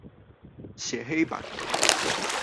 寫黑板